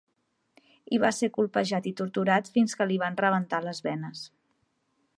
Hi va ser colpejat i torturat fins que li van rebentar les venes.